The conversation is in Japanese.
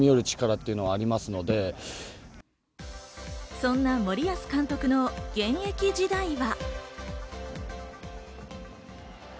そんな森保監督の現役時代は。